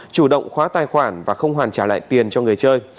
chủ động khóa tài khoản và không hoàn trả lại tiền cho người chơi